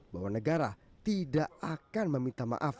bahwa negara tidak akan meminta maaf